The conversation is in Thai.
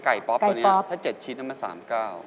ถ้า๗ชิ้นน้ำมา๓ก้าว